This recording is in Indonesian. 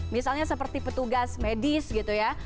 misalnya seperti petugas medis gitu ya